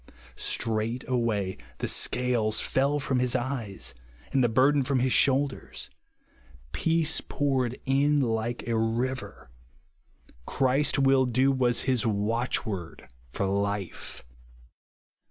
Straightway the scales fell from his eyes, and the burden from his shoulders. Peace poured in like a river. ''• Christ mil do," was his watchword for life.